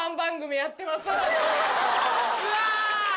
うわ！